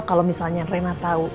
kalau misalnya rena tau